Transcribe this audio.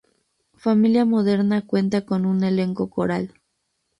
Familia Moderna cuenta con un elenco coral.